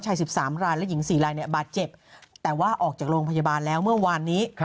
ชาย๑๓รายและหญิง๔รายบาดเจ็บแต่ว่าออกจากโรงพยาบาลแล้วเมื่อวานนี้